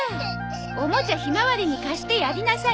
おもちゃひまわりに貸してやりなさい！